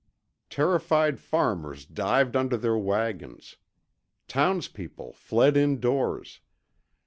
Terrified farmers dived under their wagons. Townspeople fled indoors.